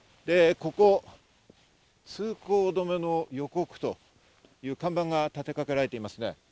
ここ、通行止めの予告という看板が立てかけられていますね。